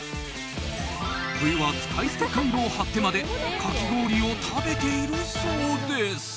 冬は使い捨てカイロを貼ってまでかき氷を食べているそうです。